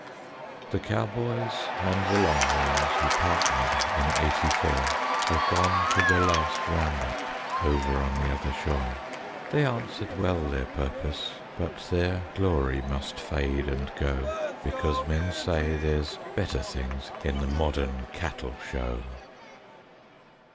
The cowboys and the longhorns Who partnered in eighty four Have gone to their last round up Over on the other shore; They answered well their purpose, But their glory must fade and go, Because men say there's better things In the modern cattle show.